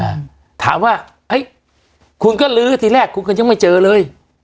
อ่าถามว่าเอ้ยคุณก็ลื้อทีแรกคุณก็ยังไม่เจอเลย